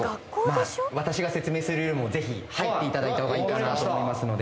まあ私が説明するよりもぜひ入っていただいた方がいいかなと思いますので。